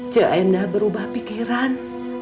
jaya endah berubah pikiran